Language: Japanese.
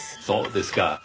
そうですか。